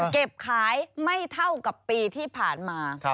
เก็บขายไม่เท่ากับปีที่ผ่านมา